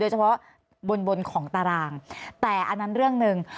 เฉพาะบนบนของตารางแต่อันนั้นเรื่องหนึ่ง